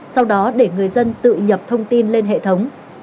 sau đó để người dân tự nhập thông tin lên hệ thống